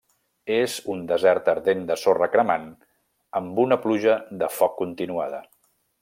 És un desert ardent de sorra cremant amb una pluja de foc continuada.